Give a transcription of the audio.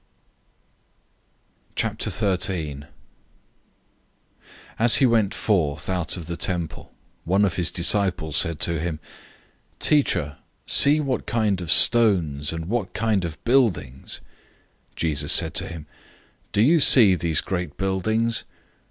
013:001 As he went out of the temple, one of his disciples said to him, "Teacher, see what kind of stones and what kind of buildings!" 013:002 Jesus said to him, "Do you see these great buildings?